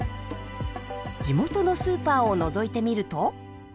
地元のスーパーをのぞいてみると。